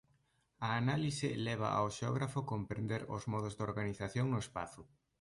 A análise leva ao xeógrafo comprender os modos de organización no espazo.